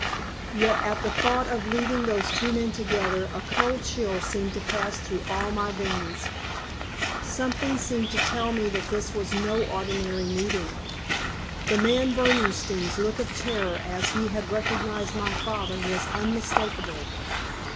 Yet at the thought of leaving those two men together a cold chill seemed to pass through all my veins. Something seemed to tell me that this was no ordinary meeting. The man Berdenstein's look of terror as he had recognized my father was unmistakable.